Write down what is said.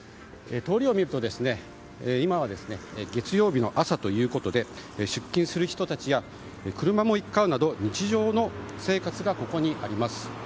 通りを見ると、今は月曜日の朝ということで出勤する人たちや車も行き交うなど日常の生活がここにあります。